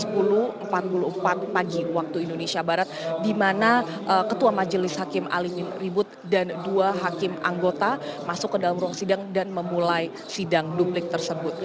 pukul empat puluh empat pagi waktu indonesia barat di mana ketua majelis hakim alimin ribut dan dua hakim anggota masuk ke dalam ruang sidang dan memulai sidang duplik tersebut